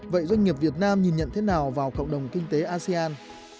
vậy doanh nghiệp việt nam nhìn nhận thế nào vào cộng đồng kinh tế asean